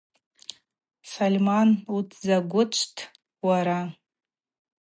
Сольман: Уытдзагвычвтӏ уара.